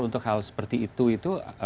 untuk hal seperti itu itu